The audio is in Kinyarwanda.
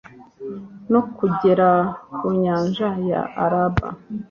no kugera ku nyanja ya araba